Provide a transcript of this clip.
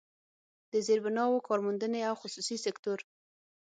د زيربناوو، کارموندنې او خصوصي سکتور